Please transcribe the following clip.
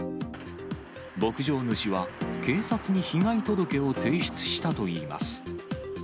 牧場主は警察に被害届を提出したといいます。